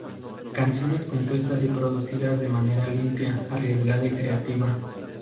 Canciones compuestas y producidas de manera limpia, arriesgada y creativa.